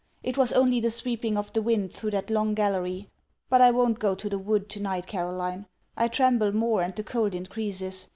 It was only the sweeping of the wind through that long gallery. But I won't go to the wood to night, Caroline. I tremble more, and the cold increases.